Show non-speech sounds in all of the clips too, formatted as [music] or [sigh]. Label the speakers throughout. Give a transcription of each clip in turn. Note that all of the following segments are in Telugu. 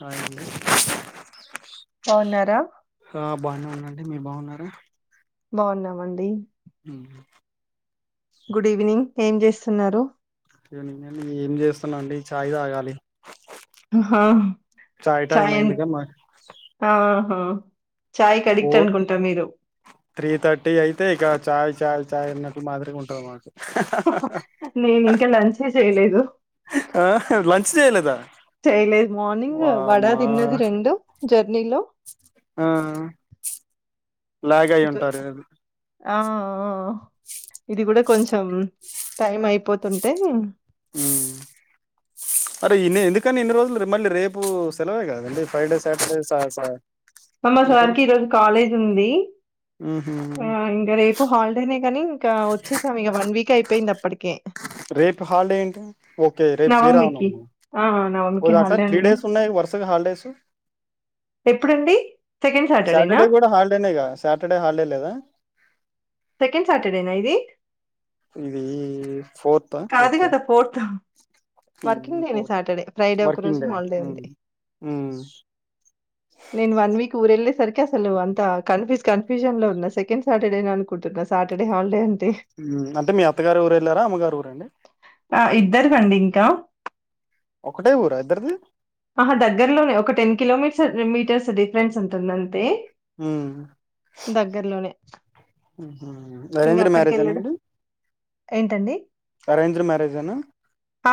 Speaker 1: హాయ్ ఆండీ
Speaker 2: బాగున్నరా
Speaker 1: బానే ఉన్నాండి మీ బాగున్నారా
Speaker 2: బావున్నామండి.
Speaker 1: [unintelligible]
Speaker 2: Good evening. ఏం జేస్తున్నారు.
Speaker 1: [unintelligible] ఏం చేస్తున్నా అండి చాయ్ తాగాలి.
Speaker 2: హా
Speaker 1: టైం
Speaker 2: చాయ్
Speaker 1: అయిందిగా మా
Speaker 2: హా ఆ. హా. చాయ్ కి అడిక్ట్
Speaker 1: ఫోర్
Speaker 2: అనుకుంట మీరు.
Speaker 1: త్రీ థర్టీ అయితే ఇక చాయ్ చాయ్ ఛాయన్నట్టు మాదిరిగా ఉంటుంది మాకు.
Speaker 2: నేను ఇంకా లంచే చేయలేదు.
Speaker 1: ఆ లంచ్ చేయలేదా.
Speaker 2: చేయలే. మార్నింగ్ వడా
Speaker 1: వామ్మా
Speaker 2: తిన్నది రెండు జర్నీలో.
Speaker 1: ఆ లాగ్ అయి ఉంటారు.
Speaker 2: ఆ ఆ. ఇది కూడా కొంచ్. టైం అయిపోతుంటే.
Speaker 1: మ్ అరే ఇన్ని ఎందుకని ఇన్ని రోజులు మళ్ళీ రేపు సెలవే కదండి ఫ్రైడే సాటర్డే స స.
Speaker 2: అమ్మ
Speaker 1: ఉంటది
Speaker 2: సార్కి ఈరోజు కాలేజ్ ఉంది,
Speaker 1: ఉహు
Speaker 2: ఆ ఇంగ రేపు హాలిడేనే కనీ. క వచ్చేసాం ఇక వన్ వీక్ అయి. పోయింది అప్పటికి.
Speaker 1: రేపు హాలిడే ఏంటి? ఓకే రేపు శ్రీ రామ
Speaker 2: నవమికి.
Speaker 1: నవమి.
Speaker 2: ఆ!
Speaker 1: ఓ
Speaker 2: నవమికి
Speaker 1: అట్లా
Speaker 2: హాలిడే
Speaker 1: త్రీ
Speaker 2: ఉందిగా
Speaker 1: డేస్ ఉన్నాయి వర్స్. హల్డేస్.
Speaker 2: ఎప్పుడండి. సెకండ్ సాటర్డేనా?
Speaker 1: సాటర్డే కూడా హాలిడేనే క సాటర్డే హాలిడే లేదా.
Speaker 2: సెకండ్ సాటర్డేనా ఇది.
Speaker 1: ఇది ఫోర్త్
Speaker 2: కాదు
Speaker 1: ఓకే
Speaker 2: కదా ఫోర్త్, వర్కింగ్ డేనే
Speaker 1: ఫోర్త్
Speaker 2: సాటర్డే ఫ్రైడే ఒక్క
Speaker 1: వర్కింగ్
Speaker 2: రోజు
Speaker 1: డే
Speaker 2: హాలిడే
Speaker 1: ఉమ్,
Speaker 2: ఉంది.
Speaker 1: ఉమ్,
Speaker 2: నేను వన్ వీక్ ఊరు ఎళ్ళే సరికి. అసలు అంత కన్ఫ్యూస్ కన్ఫ్యూషన్ లో ఉన్న సెకండ్ సాటర్డే నే అనుకుంటున్నా సాటర్డే హాలిడే.
Speaker 1: అంటే మీ అత్తగారు ఊరు వెళ్ళారా అమ్మగారు ఊర అండి
Speaker 2: ఆ ఇద్దరు కండి ఇంకా
Speaker 1: ఒకటే ఊరా ఇద్దరిది
Speaker 2: ఆహా దగ్గరలోనే ఒక టెన్ కిలోమీటర్ మీటర్స్ డిఫరెన్స్ ఉంటుంది అంతే దగ్గర్లోనే
Speaker 1: ఉ అరేంజ్డ్ మ్యారేజేనా అండి
Speaker 2: ఏంటండి
Speaker 1: అరేంజ్డ్ మ్యారేజ్ అనా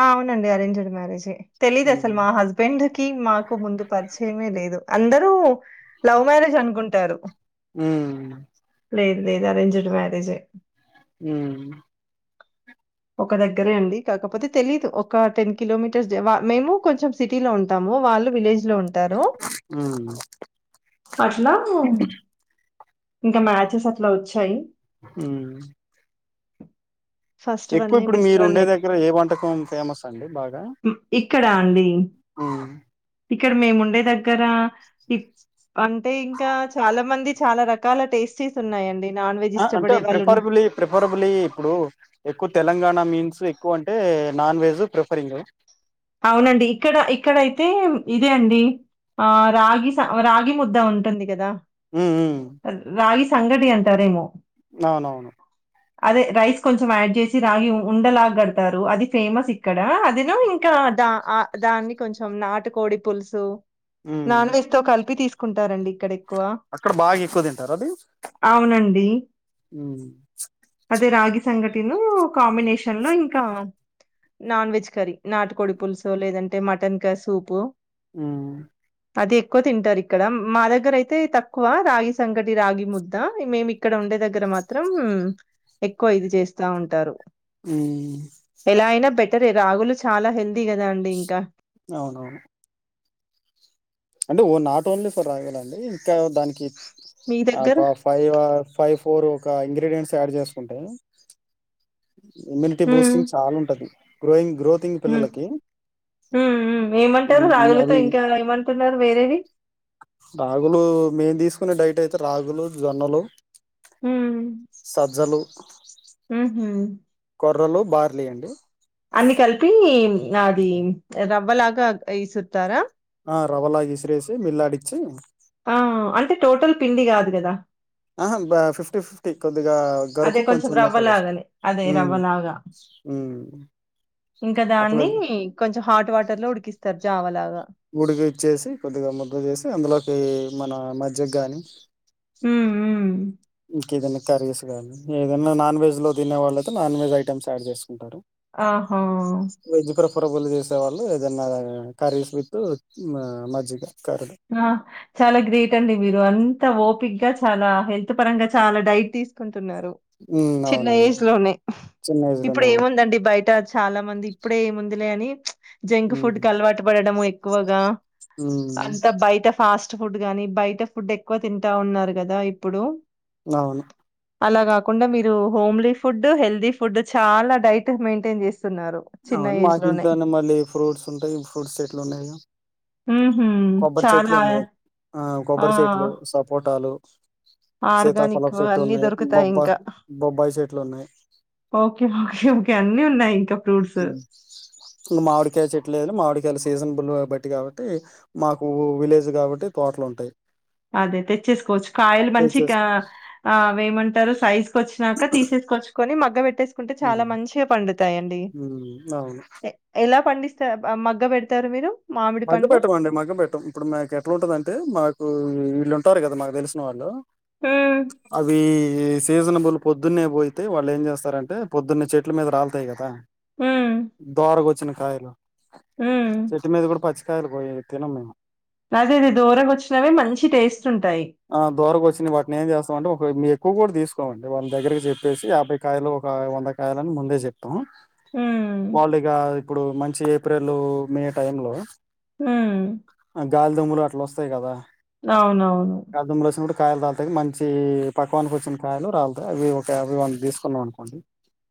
Speaker 2: ఆ అవునండి అరేంజ్డ్ మ్యారేజే తెలీదు
Speaker 1: ఉమ్,
Speaker 2: అసలు మా హస్బెండ్ కి మాకు ముందు పరిచయమే లేదు అందరూ లవ్ మ్యారేజ్ అనుకుంటారు
Speaker 1: ఉమ్,
Speaker 2: లేదు లేదు అరేంజ్డ్ మ్యారేజ్ మ్యారేజే
Speaker 1: ఉ
Speaker 2: ఒక దగ్గరే అండి కాకపోతే తెలీదు ఒక టెన్ కిలోమీటర్స్ మేము కొంచెం సిటీలో ఉంటాము వాళ్లు విలేజ్ విలేజ్ లో ఉంటారు
Speaker 1: ఉమ్,
Speaker 2: అట్లా ఇంకా మ్యాచెస్ అట్లా వచ్చాయి
Speaker 1: ఉ
Speaker 2: ఫస్ట్
Speaker 1: ఎక్కువ
Speaker 2: వన్నే
Speaker 1: ఇప్పుడు
Speaker 2: బెస్ట్
Speaker 1: మీరు
Speaker 2: వన్
Speaker 1: ఉండే
Speaker 2: అయిపో
Speaker 1: దగ్గర ఏ వంటకం ఫేమస్ అండి బాగా
Speaker 2: ఇక్కడ అండి. ఇక్కడ మేము ఉండే దగ్గ రా అంటే ఇంకా చాలా మంది చాలా రకాల టేస్టీస్ ఉన్నాయండి నాన్ వెజ్
Speaker 1: అంటే
Speaker 2: ఇష్టపడే వాళ్ళును
Speaker 1: ప్రిఫరబులీ ప్రిఫరబులీ ఇప్పుడు ఎక్కువ తెలంగాణ మీన్ సో ఎక్కువ అంటే నాన్ వెజ్ ప్రిఫరింగు
Speaker 2: అవునండి ఇక్కడ ఇక్కడయితే ఇదే అండి ఆ రాగి సం రాగి ముద్ద ఉంటుంది కదా
Speaker 1: ఉ ఊ
Speaker 2: రాగి సంగటి అంటారేమో అదే రైస్ కొంచెం యాడ్ చేసి రాగి ఉండలాగ గడతారు అది ఫేమస్ ఇక్కడ అదేను ఇంకా ఆ దా దాన్ని కొంచెం నాటుకోడి పులుసు
Speaker 1: ఉమ్
Speaker 2: నాన్ వెజ్ తో కలిపి తీసుకు కుంటారండి ఇక్కడ ఎక్కువ
Speaker 1: అక్కడ బాగా ఎక్కువ తింటారా అది
Speaker 2: అవునండి అదే రాగి సంగటిను కాంబినేషన్ లో ఇంకా నాన్ వెజ్ కర్రీ నాటుకోడి పులుసో లేదంటే మటన్ కర్రీ సూపో
Speaker 1: ఊ
Speaker 2: అది ఎక్కువ తింటారు ఇక్కడ మా దగ్గర అయితే తక్కువ రాగి సంకటి రాగి ముద్ద మేము ఇక్కడ ఉండే దగ్గర మాత్రం ఎక్కువ ఇది చేస్తా ఉంటారు
Speaker 1: మ్
Speaker 2: లా అయినా బెటర్ రాగులు చాలా హెల్దీ కదా అండి ఇంకా
Speaker 1: అవునవును అంటే ఓ నాట్ ఓన్లీ ఫర్ రాయవల్ అండి ఇ దానికి
Speaker 2: మీ దగ్గర
Speaker 1: ఒక ఫైవ్ ఫైవ్ ఫోర్ ఒక ఇంగ్రీడియంట్స్ యాడ్ చేసుకుంటా ఇమ్యూనిటీ బూస్టింగ్ చాలా ఉంటది ర్రోయింగ్
Speaker 2: మ్ మ్
Speaker 1: ఉమ్,
Speaker 2: ఏమంటారు
Speaker 1: ఉమ్,
Speaker 2: రాగులితో
Speaker 1: అవి
Speaker 2: ఇంకా ఏమంట వేరేవి
Speaker 1: రాగులు మేన్ తీసు కునే డైట్ అయితే రాగులు జొన్నలు
Speaker 2: ఉమ్
Speaker 1: సజ్జలు
Speaker 2: ఉహు
Speaker 1: ఆడ్రలు బార్లీయండి
Speaker 2: అన్ని కలిపి అది ర అవలాగా ఇసతారా
Speaker 1: హా రవలా సి మిల్లాడిచి
Speaker 2: ఆ అంటే టోటల్ పిండి కాదు కదా
Speaker 1: ఆ బ ఫీటీ ఫిఫ్టీ కొ కొద్దిగా
Speaker 2: అదే
Speaker 1: గరుకు కొంచెం మెత్తగా వచ్చా
Speaker 2: రవ్వలాగానే అదే
Speaker 1: మ్
Speaker 2: రవ్వలాగా
Speaker 1: మ్
Speaker 2: ఇంకా
Speaker 1: అట్లా,
Speaker 2: దాన్ని కొంచెం హాట్ వాటర్ లో ఉడికిస్తారు జావలాగా
Speaker 1: ఉడికి ఇచ్చేసి కొద్దిగా ముద్ద చేసి అందులోకి మన మధ్య గానీ
Speaker 2: ఉ
Speaker 1: నాక ఏదైనా కర్రీస్ కానీ ఏదైనా నాన్ వెజ్ లో తినే వాళ్ళయితే నాన్ వెజ్ ఐటమ్స్ యాడ్ చేసుకుంటారు.
Speaker 2: ఆహా
Speaker 1: పురుగులు చేసేవాళ్ళు ఏదన్నా కర్రీస్ విత్ మా మజ్జిగ కర్రీ
Speaker 2: ఆ చాలా గ్రేట్ అండి మీరు అ త ఓపిగ్గా చాలా హెల్త్ పరంగా చాలా డైట్ తీసుకుంట తున్నారు
Speaker 1: ఉమ్
Speaker 2: చిన్న
Speaker 1: అవునండి
Speaker 2: ఏజ్ లోనే
Speaker 1: చిన్న ఏజ్ లోనే
Speaker 2: ఇప్పుడు
Speaker 1: అవును
Speaker 2: ఏముందండి బయట చాలా మంది ఇప్పుడే ఏముందిలే అని జంక్
Speaker 1: ఉమ్
Speaker 2: ఫుడ్కి అలవాటు పడడము ఎక్కువగా అంత
Speaker 1: ఉమ్
Speaker 2: బయట ఫాస్ట్ ఫుడ్ గానీ బయట ఫుడ్ ఎక్కువ తింటా ఉన్నారు కదా ఇప్పుడు
Speaker 1: అవును
Speaker 2: అలా కాకుండా మీరు హోమ్లీ ఫుడ్ హెల్దీ ఫుడ్ చాలా డైట్ మెయింటైన్ చేస్
Speaker 1: అవును మాకు ఇంట్లోనే మళ్ళీ ఫ్రూట్స్ ఉంటాయి ఫ్రూట్స్ ఎట్లున్నాయో
Speaker 2: ఉహు
Speaker 1: కొబ్బరి చెట్లు
Speaker 2: చాలా
Speaker 1: ఉన్నాయి ఆ కొబ్బరి చెట్లు సపోటాలు సీతాఫలం
Speaker 2: ఆర్గానిక్
Speaker 1: చెట్టు
Speaker 2: అన్ని
Speaker 1: ఉన్నాయి
Speaker 2: దొరుకుతాయి
Speaker 1: బొబ్బ
Speaker 2: ఇంకా
Speaker 1: బొబ్బాయి చెట్లు ఉన్నాయి
Speaker 2: ఓకేకేకే అన్ని ఉన్నాయి ఇంకా ఫ్రూట్స్
Speaker 1: ఇ మామిడికాయ చెట్లే లేదు మామిడికాయలు సీజన్బుల్ బట్టి కాబట్టి మాకు విలేజ్ కాబట్టి తోటలు ఉంటాయి
Speaker 2: అదే తెచ్చేసుకోవచ్చు కాయలు మంచి
Speaker 1: తెచ్చేస్
Speaker 2: అ వేమంటారు సైజ్ కు వచ్చినాక తీసేసుకోవచ్చు కొని మగ్గ పెట్ పెట్టేసుకుంటే చాలా
Speaker 1: ఉమ్
Speaker 2: మంచిగా పండుతాయిడి
Speaker 1: అవును
Speaker 2: ఎలాండి పండి ఇస్ మగ్గ పెడతారు మీరు మామిడి
Speaker 1: మగ్గ
Speaker 2: పండు?
Speaker 1: పెట్టమ అండి మగ్గ పెట్టం ఇప్పుడు మాకు ఎట్లా ఉంటుంది అంటే మాకు వీళ్ళు ఉంటారు కదా మాకు తెలిసిన వాళ్ళు
Speaker 2: హ్మ్.
Speaker 1: అవి ఈ సీజనబుల్ పొద్దున్నే పోయితే వాళ్ళు ఏం చేస్తారంటే పొద్దున్న చెట్ల మీద రాలతాయి కదా దోరగా కొచ్చిన కాయలో
Speaker 2: ఉ
Speaker 1: పచ్చ కాయలు కోయి తినం మేము
Speaker 2: అదే ఇది దూరంగా వచ్చినవే మంచి టేస్ట్
Speaker 1: ఆ దోరగా వచ్చిన వాటిని ఏం చేస్తామ అంటే ఒక మీ ఎక్కువ కూడా తీసుకోమండి వాళ్ళ దగ్గరకి చెప్పేసి యాభై కాయలు ఒక వంద కాయలుని ముందే చెప్పి
Speaker 2: హ్మ్.
Speaker 1: వాళ్లు ఇక ఇప్పుడు మంచి ఏప్రిల్ లు మే టైం లో
Speaker 2: హ్మ్.
Speaker 1: గాల్ దుమ్ములు అట్లా వస్త వస్తే కదా
Speaker 2: అవునవును
Speaker 1: గాలి దుమ్మలు వచ్చినప్పుడు కాయలు రాలతాయి మంచి పక్వానికి వచ్చిన కాయలు రాలతాయి అవి ఒక యావయ్ వంద తీసుకున్నాం అనుకోండి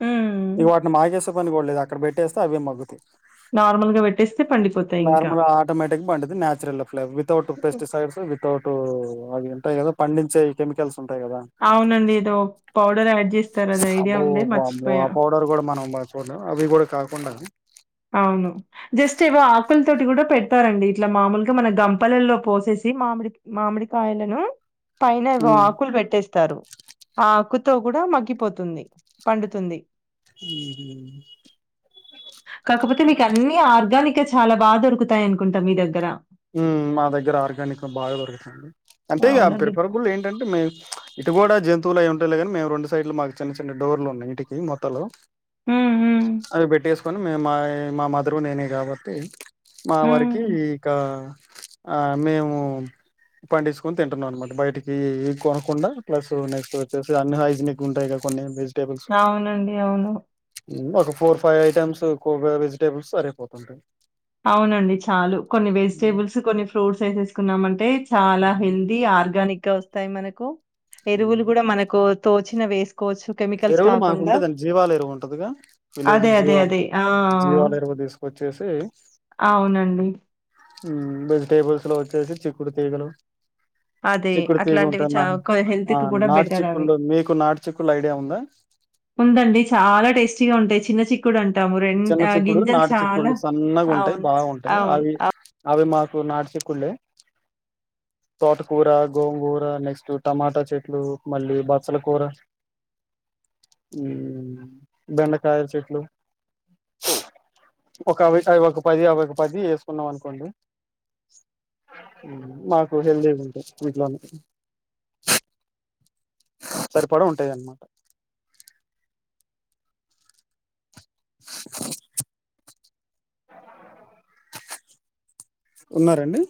Speaker 2: హ్మ్.
Speaker 1: ఇ వాట మగా చేసుకో పని కూడాడలేదు అక్కడ పెట్టేస్తే అవే మగ్గుతాయి
Speaker 2: నార్మల్గా పెట్టేస్తే పండిపోతాయి ఇంకా
Speaker 1: నార్మల్ ఆటోమేటిక్ పండుద్ది నాచురల్ ఫ్లవ్ వితౌట్ పెస్టిసైడ్స్ వితౌట్ అవింటయి కదా పండి ఇంచే ఈ కెమికల్స్ ఉంటాయి కదా
Speaker 2: అవునండి ఏదో పౌడర్ యాడ్ చేస్తారు అది ఐడియా ఉండే మర్చిపోయా
Speaker 1: చూడ అవి కూడా కాకుండా
Speaker 2: అవును జస్ట్ ఏవో ఆకుల తోటి కూడా పెడతారండి ఇట్లా మామూలుగా మన గంపలలో పోసేసి మామిడి మామిడికాయలను పైన ఏవో
Speaker 1: ఉమ్,
Speaker 2: ఆకులు పెట్టేస్త తరు ఆకుతో కూడ మగ్గిపోతుంది పండుతుంది
Speaker 1: ఉహు
Speaker 2: కాకపోతే మీకు అన్ని ఆర్గానిక్ ఇంకా చాలా బాగా దొరుకుతాయి అకుంట మీ దగ్గర
Speaker 1: హమ్ మా దగ్గర ఆర్గానిక్ బాగ దొరుకుతుంది అంటే ఇగ
Speaker 2: అవునండి.
Speaker 1: ప్రిఫరబుల్ ఏంటంటే మేము ప్చ్ ఇటు కూడా జంతువులు అవి ఉంటయి గానీ మేము రెండు సైడ్ లో మాకు చిన్న చిన్న డోర్లు ఉన్నాయి ఇంటికి మొట్టలు
Speaker 2: హ్మ్. హ్మ్.
Speaker 1: అవి బెట్టేసు కొని మే మా మా మదరు నేనే కాబట్టి మా వరికి
Speaker 2: హ్మ్.
Speaker 1: ఆ మేము పండించుకొని తింటున్నాం అన్నమాట బయటికి కొనకుండా ప్లస్ నెక్స్ట్ వచ్చే అన్ హైజినిక్ ఉంటాయి కొన్ని వెజ్
Speaker 2: అవునండి అవును
Speaker 1: ఒక ఫోర్ ఫైవ్ ఐటమ్స్ వెజిటేబుల్స్ సరే పోతుంటాయి
Speaker 2: అవునండి చాలు కొన్ని వెజిటేబుల్స్ కొన్ని ఫ్రూట్స్ వేసేసుకున్నామంటే చాలా
Speaker 1: ఉమ్,
Speaker 2: హెల్దీ ఆర్గ నిక్ గా వస్తాయి మనకు ఎరువులు
Speaker 1: ఉమ్.
Speaker 2: కూడ మనకు తో చిన వేస్
Speaker 1: ఎరువులు మాకుంటది జీవాల ఎరువు ఉంటదిగా
Speaker 2: అదే.
Speaker 1: విలేజి
Speaker 2: అదే.
Speaker 1: జీవలు
Speaker 2: అదే. ఆ!
Speaker 1: జీవాల ఎరువు తీసుకొచ్చేసి
Speaker 2: అవునండి
Speaker 1: హమ్ వెజిటేబుల్స్ లో వచ్చేసి చిక్కుడు తీగలు
Speaker 2: అదే.
Speaker 1: చిక్కుడు తీగ
Speaker 2: అట్లాంటివి చా
Speaker 1: ఉంటెన్నా
Speaker 2: కొ
Speaker 1: ఆ
Speaker 2: హెల్త్‌కి కూడా
Speaker 1: నాటు
Speaker 2: బెటరవి.
Speaker 1: చిక్కుళ్ళు మీకు నాటు చిక్కుళ్ళు ఐ
Speaker 2: ఉందండి చాలా టేస్టీగ ఉంటాయి చిన్న చిక్కుడు అంటాము. రెం
Speaker 1: చిన్న
Speaker 2: ఆహ్,
Speaker 1: చిక్కుడు
Speaker 2: గింజలు
Speaker 1: నాటి
Speaker 2: చాలా
Speaker 1: చిక్కుళ్ళు సన్నగా ఉంటాయి
Speaker 2: అవును.
Speaker 1: బాగుంటాయి
Speaker 2: అవును.
Speaker 1: అవి అవి మాకు కు నాటు చిక్కుళ్ళే తోటకూర గోంగూర నెక్స్ట్ టమాట చెట్లు మళ్ళీ బచ్చల కూర హమ్ బెండకాయ చెట్లు ఒక అవి అవి ఒక పది అవి ఒక పది వేసుకున్నాం అనుకోండి మాకు హెల్తీగ ఉంటాయి వీటిలోనే సరిపడ ఉంటాయి అన్నమాట ఉన్నారండి